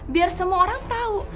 biar semua orang tau